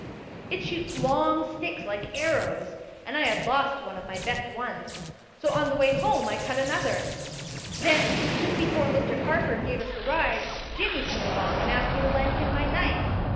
"It shoots long sticks, like arrows, and I had lost one of my best ones, so on the way home I cut another. Then just before Mr. Carford gave us the ride, Jimmie came along and asked me to lend him my knife.